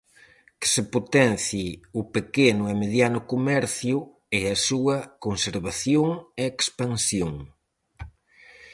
Que se potencie o pequeno e mediano comercio e a súa conservación e expansión.